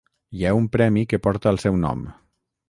Hi ha un premi que porta el seu nom.